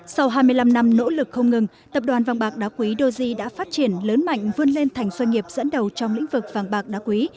sau hai mươi năm năm nỗ lực không ngừng tập đoàn vàng bạc đá quý doji đã phát triển lớn mạnh vươn lên thành doanh nghiệp dẫn đầu trong lĩnh vực vàng bạc đá quý